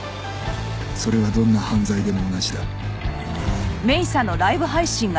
それはどんな犯罪でも同じだ